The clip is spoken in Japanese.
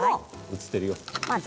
映っているよ。